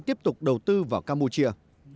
tiếp tục đầu tư vào campuchia